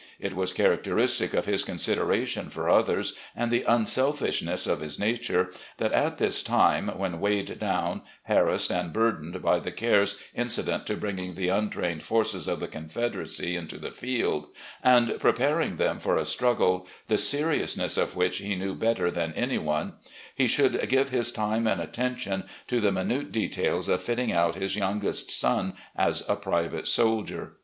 It was characteristic of his consideration for others and the unselfishness of his nature, that at this time, when weighed down, harassed and burdened by the cares incident to bringing the untrained forces of the Confederacy into the field, and preparing them for a struggle the seriousness of which he knew better than any one, he should give his time and attention to the minute details of fitting out his youngest son as a private soldier.